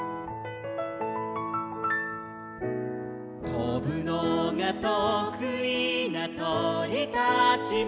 「とぶのがとくいなとりたちも」